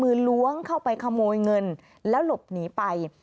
ล้วงเข้าไปขโมยเงินแล้วหลบหนีไป